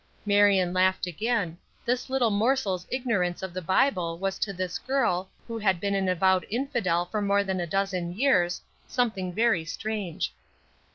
Marion laughed again. This little morsel's ignorance of the Bible was to this girl, who had been an avowed infidel for more than a dozen years, something very strange.